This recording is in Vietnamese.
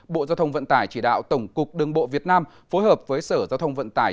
bộ giao thông vận tải chỉ đạo tổng cục đường bộ việt nam phối hợp với sở giao thông vận tải